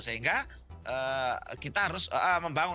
sehingga kita harus membangun